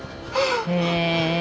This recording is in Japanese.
へえ。